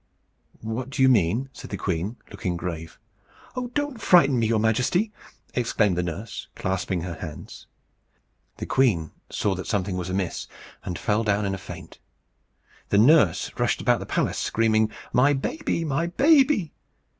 "What do you mean?" said the queen, looking grave. "Oh! don't frighten me, your Majesty!" exclaimed the nurse, clasping her hands. The queen saw that something was amiss, and fell down in a faint. The nurse rushed about the palace, screaming, "My baby! my baby!"